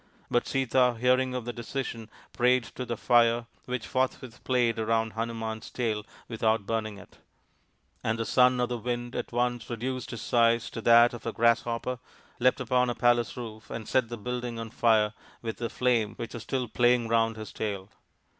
But Sita, hearing of the decision, prayed to the Fire, which forthwith played round Hanuman's tail with out burning it; and the Son of the Wind at once reduced his size to that of a grasshopper, leapt upon a palace roof and set the building on fire with the flame, which was still playing round his tail.